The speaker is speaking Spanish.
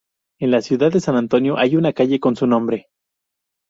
En la ciudad de San Antonio hay una calle con su nombre.